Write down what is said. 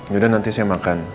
yaudah nanti saya makan